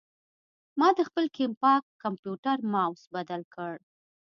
ما د خپل کمپاک کمپیوټر ماؤس بدل کړ.